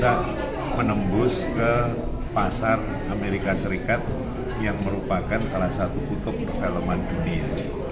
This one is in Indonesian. dan bisa menembus ke pasar amerika serikat yang merupakan salah satu utop perfilman dunia